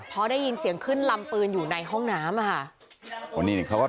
พอได้ยินเสียงขึ้นลำปืนอยู่ในห้องน้ำค่ะ